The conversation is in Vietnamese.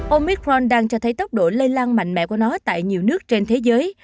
ômikron đang cho thấy tốc độ lây lan mạnh mẽ của nó tại nhiều nước trên thế giới